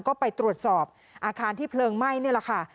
ก็ไปตรวจสอบอาคารที่เพลิงไหม้นี่แหละค่ะ